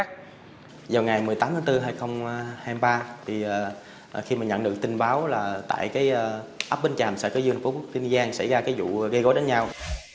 thì khi mà nhận được tin báo là tại cái ấp bến tràm sở cơ dân của bắc kinh giang xảy ra cái vụ gây gối đánh nhau